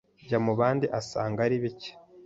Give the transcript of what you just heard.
Jyamubandi asanga ari bike